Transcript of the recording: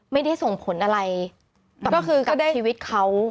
ไม่ได้ส่งผลอะไรก็คือกับชีวิตเขา